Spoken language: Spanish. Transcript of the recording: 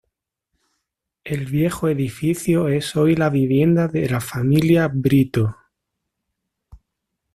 El viejo edificio es hoy la vivienda de la familia Brito.